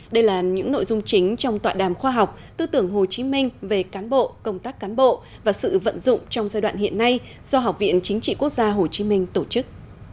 đây là những nội dung chính trong tọa đàm khoa học tư tưởng hồ chí minh về cán bộ công tác cán bộ và sự vận dụng trong giai đoạn hiện nay do học viện chính trị quốc gia hồ chí minh tổ chức